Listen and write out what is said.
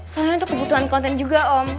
soalnya untuk kebutuhan konten juga om